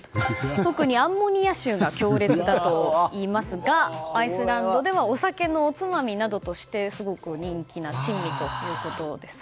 特にアンモニア臭が強烈だといいますがアイスランドではお酒のおつまみなどとしてすごく人気な珍味ということです。